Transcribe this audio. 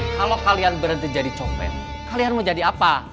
kalau kalian berhenti jadi copet kalian mau jadi apa